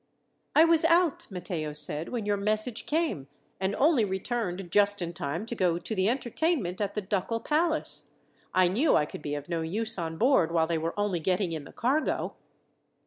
"I was out," Matteo said, "when your message came, and only returned just in time to go to the entertainment at the ducal palace. I knew I could be of no use on board while they were only getting in the cargo."